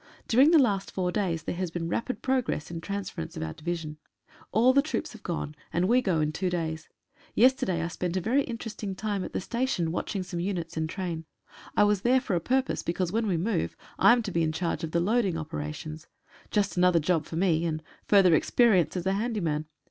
Dur ing the last four days there has been rapid progress in the transference of our division. All the troops have gone.and we go in two days. Yesterday I spent a very interesting 154 DEVOTION OF INDIAN SOLDIERS. time at the station watching some units entrain. I was there for a purpose, because when we move. I am to be in charge of the loading operations. Just another job for me, and further experience as a handyman.